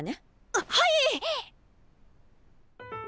あっはい！